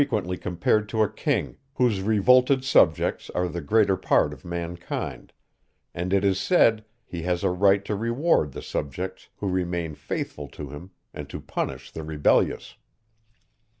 The Divinity is frequently compared to a king, whose revolted subjects are the greater part of mankind; and it is said, he has a right to reward the subjects who remain faithful to him, and to punish the rebellious.